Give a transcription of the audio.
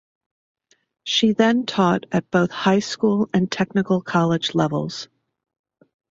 She then taught at both high school and technical college levels.